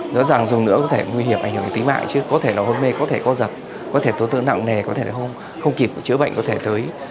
rõ ràng dùng nữa có thể nguy hiểm ảnh hưởng đến tính mạng chứ có thể là hôn mê có thể co giật có thể tổn thương nặng nề có thể không kịp chữa bệnh có thể tới